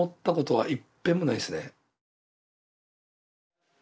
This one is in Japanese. はい。